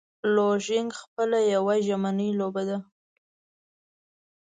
لوژینګ خپله یوه ژمنی لوبه ده.